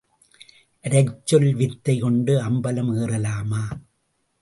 அரைச்சொல் வித்தை கொண்டு அம்பலம் ஏறலாமா?